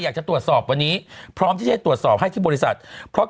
อยากจะตรวจสอบวันนี้พร้อมที่จะตรวจสอบให้ที่บริษัทเพราะ